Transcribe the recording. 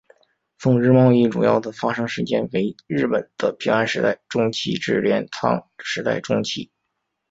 宋日贸易主要的发生时间为日本的平安时代中期至镰仓时代中期。